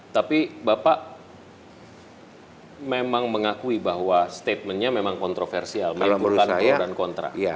tapi bapak memang mengakui bahwa statementnya memang kontroversial menimbulkan pro dan kontra